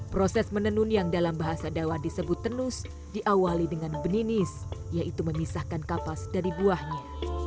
proses menenun yang dalam bahasa dawah disebut tenus diawali dengan benis yaitu memisahkan kapas dari buahnya